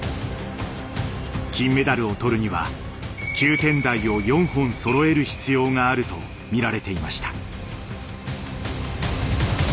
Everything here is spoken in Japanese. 金メダルを取るには９点台を４本そろえる必要があると見られていました。